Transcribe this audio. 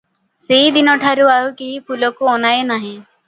ସେହି ଦିନଠାରୁ ଆଉ କେହି ଫୁଲକୁ ଅନାଏ ନାହିଁ ।